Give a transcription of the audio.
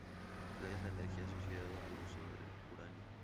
Es la energía asociada al uso del uranio.